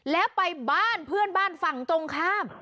แล้วไปบ้านเพื่อนบ้านฝั่งตรงข้าม